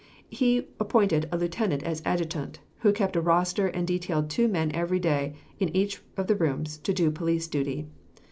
He appointed a lieutenant as adjutant, who kept a roster and detailed two men every day in each of the rooms to do police duty.